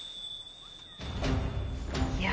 いや